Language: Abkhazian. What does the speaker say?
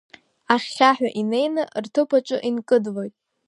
Ахьхьаҳәа инеины рҭыԥ аҿы инкыдлоит.